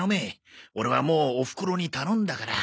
オレはもうおふくろに頼んだから。